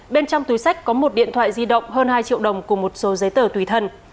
bên trong túi sách có một điện thoại di động hơn hai triệu đồng cùng một số giấy tờ tùy thân